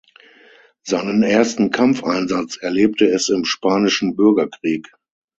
Seinen ersten Kampfeinsatz erlebte es im spanischen Bürgerkrieg.